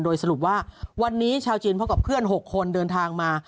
โดยสรุปว่าวันนี้ชาวจีนพบกับเพื่อน๖คนเดินทางมา